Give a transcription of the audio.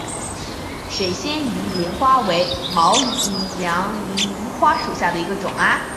水仙银莲花为毛茛科银莲花属下的一个种。